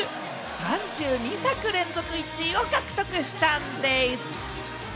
３２作連続１位を獲得したんでぃす。